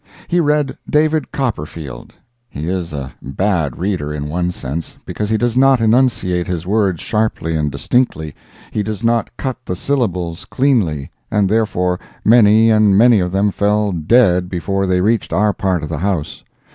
He read David Copperfield. He is a bad reader, in one sense—because he does not enunciate his words sharply and distinctly—he does not cut the syllables cleanly, and therefore many and many of them fell dead before they reached our part of the house.